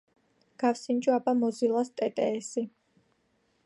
გავსინჯო აბა მოზილას ტეტეესი